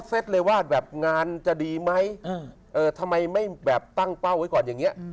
เลยว่าแบบงานจะดีไหมทำไมไม่แบบตั้งเป้าไว้ก่อนอย่างนี้